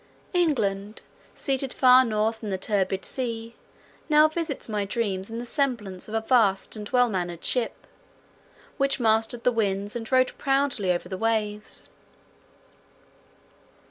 England, seated far north in the turbid sea, now visits my dreams in the semblance of a vast and well manned ship, which mastered the winds and rode proudly over the waves.